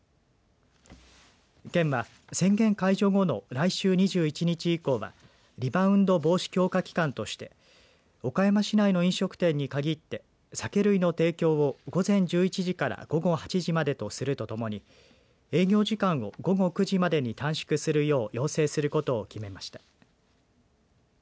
県は宣言解除後の来週２１日以降はリバウンド防止強化期間として岡山市内の飲食店にかぎって酒類の提供を午前１１時から午後８時までとするとともに営業時間を午後９時までに短縮するよう要請することを決めました。